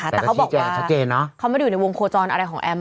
แต่เขาบอกว่าเขาไม่ได้อยู่ในวงโคจรอะไรของแอม